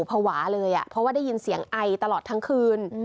ภาวะเลยเพราะว่าได้ยินเสียงไอตลอดทั้งคืน